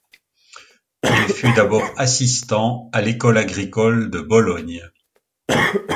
Il fut d'abord assistant à l'École agricole de Bologne.